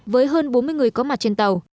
với hơn bốn mươi người có mặt trên tàu